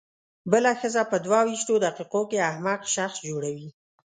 بله ښځه په دوه وېشتو دقیقو کې احمق شخص جوړوي.